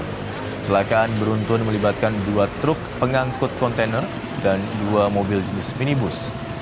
kecelakaan beruntun melibatkan dua truk pengangkut kontainer dan dua mobil jenis minibus